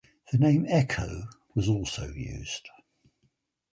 The name "Echo" was also used.